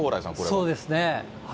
そうですね。